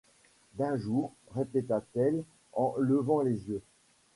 D’un jour! répéta-t-elle en levant les yeux.